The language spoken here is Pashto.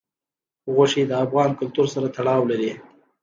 غوښې د افغان کلتور سره تړاو لري.